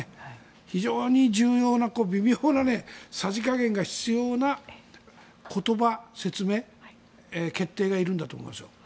非常に重要な微妙なさじ加減が必要な言葉、説明、決定がいるんだと思います。